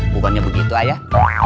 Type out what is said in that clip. bukannya begitu ayah